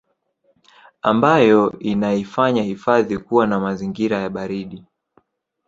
ambayo inaifanya hifadhi kuwa na mazingira ya baridi